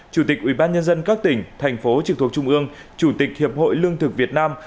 chủ tịch ubnd các tỉnh tp chcm chủ tịch hiệp hội lương thực việt nam